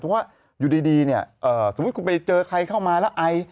เพราะว่าอยู่ดีเนี่ยสมมุติคุณไปเจอใครเข้ามาแล้วไอ